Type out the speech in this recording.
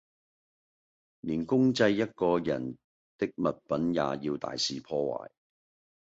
連公祭一個人的物品也要大肆破壞